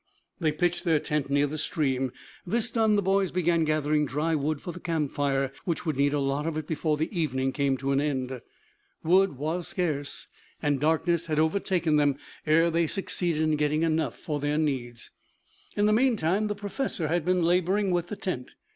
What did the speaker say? They pitched their tent near the stream. This done the boys began gathering dry wood for the campfire which would need a lot of it before the evening came to an end. Wood was scarce and darkness had overtaken them ere they succeeded in getting enough for their needs. In the meantime the professor had been laboring with the tent.